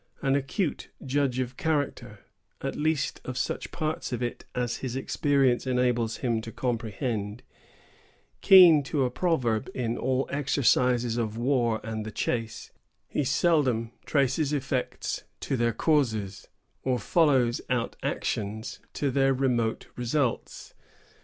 An acute judge of character, at least of such parts of it as his experience enables him to comprehend; keen to a proverb in all exercises of war and the chase, he seldom traces effects to their causes, or follows out actions to their remote results.